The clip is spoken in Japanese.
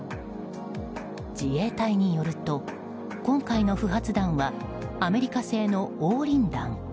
自衛隊によると、今回の不発弾はアメリカ製の黄リン弾。